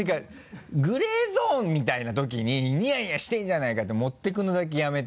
グレーゾーンみたいな時に「ニヤニヤしてるじゃないか」って持っていくのだけやめて。